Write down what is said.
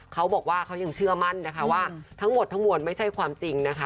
เขาบอกว่าเขายังเชื่อมั่นนะคะว่าทั้งหมดทั้งมวลไม่ใช่ความจริงนะคะ